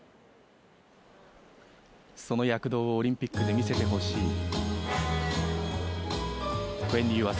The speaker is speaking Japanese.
その躍動をオリンピックで見せてほしい。